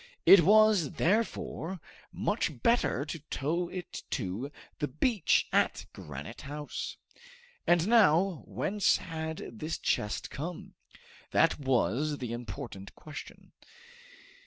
It was, therefore, much better to tow it to the beach at Granite House. And now, whence had this chest come? That was the important question.